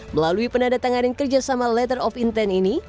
melalui penanda tanganan kerjasama letter on intent ini